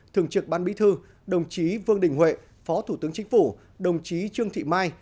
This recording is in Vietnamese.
thường trực ban bí thư đồng chí vương đình huệ phó thủ tướng chính phủ đồng chí trương thị mai